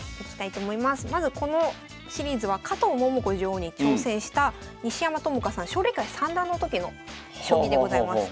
まずこのシリーズは加藤桃子女王に挑戦した西山朋佳さん奨励会三段の時の将棋でございます。